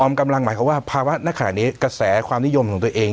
กำลังหมายความว่าภาวะณขณะนี้กระแสความนิยมของตัวเอง